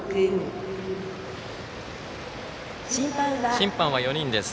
審判は４人です。